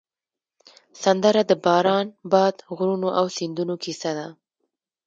سندره د باران، باد، غرونو او سیندونو کیسه ده